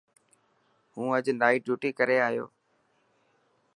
هون اڄ نائٽ ڊيوٽي ڪري آيو.